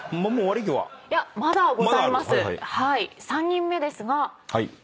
３人目ですが。